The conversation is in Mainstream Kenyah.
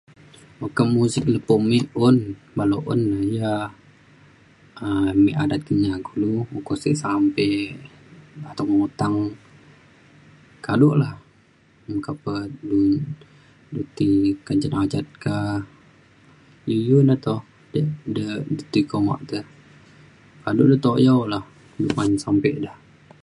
meka muzik lepo me un balau un ja um me adat Kenyah kulu ukok sek sampe jatung utang kado la meka pe du du ti kancet ajat ka iu iu na toh de ti kuma te kado de tuyau le uban sampe da